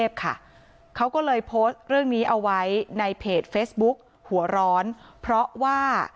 พยายามจะปิดประตูเนี่